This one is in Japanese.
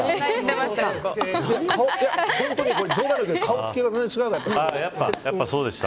本当に冗談抜きで顔つきが全然違いました。